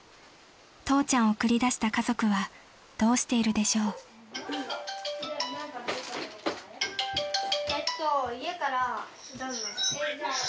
［父ちゃんを送りだした家族はどうしているでしょう？］もしもし。